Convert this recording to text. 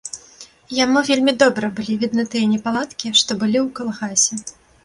Яму вельмі добра былі відны тыя непаладкі, што былі ў калгасе.